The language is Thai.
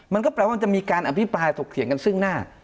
มันก็แปลว่าจะมีการอภิปรายถกเถียงกันซึ่งหน้า